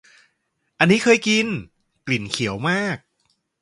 อันนี้เคยกิน กลิ่นเขียวมาก